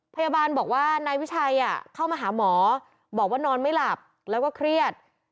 พยาบาลบอกว่านายวิชัยเข้ามาหาหมอบอกว่านอนไม่หลับแล้วก็เครียด